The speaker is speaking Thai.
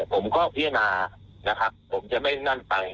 ผมก็เพียร้านานะคะผมจะไม่นั่นใจ